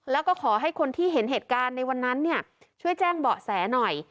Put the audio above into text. แล้วก็ขอให้คนที่เห็นเหตุการณ์ในวันนั้นเนี่ยช่วยแจ้งเบาะแสหน่อย